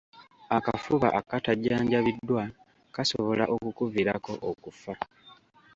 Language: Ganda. Akafuba akatajjanjabiddwa kasobola okukuviiramu okufa